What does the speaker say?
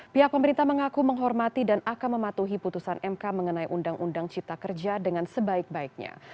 pihak pemerintah mengaku menghormati dan akan mematuhi putusan mk mengenai undang undang cipta kerja dengan sebaik baiknya